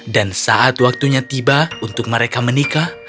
saat waktunya tiba untuk mereka menikah